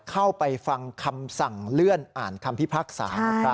เข้าไปฟังคำสั่งเลื่อนอ่านคำพิพากษานะครับ